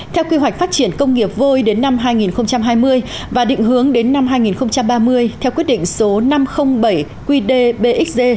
theo quy hoạch phát triển công nghiệp vôi đến năm hai nghìn hai mươi và định hướng đến năm hai nghìn ba mươi theo quyết định số năm trăm linh bảy qd bxg